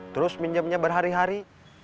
terus pinjemnya berhari hari